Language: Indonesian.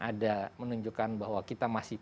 ada menunjukkan bahwa kita masih